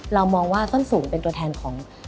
เรามองว่าต้นสูงเป็นตัวแทนของ